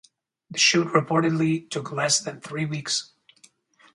The shoot reportedly took less than three weeks.